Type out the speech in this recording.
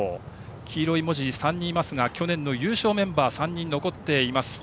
黄色い文字は３人いますが去年の優勝メンバーが３人残っています。